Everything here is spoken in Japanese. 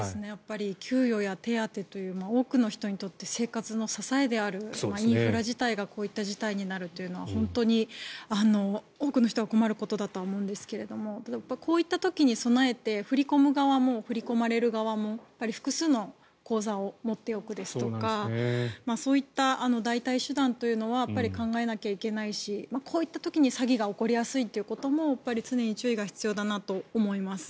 給与や手当という多くの人にとって生活の支えであるインフラ自体がこういった事態になるというのは本当に多くの人が困ることだと思うんですけどこういった時に備えて振り込む側も振り込まれる側も複数の口座を持っておくですとかそういった代替手段というのは考えなきゃいけないしこういった時に詐欺が起こりやすいというのも常に注意が必要だなと思います。